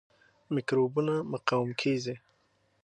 میکروبونه مقاوم کیږي.